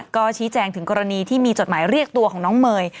ก็ชี้แจงถึงกรณีที่มีจดหมายเรียกตัวของน้องเมย์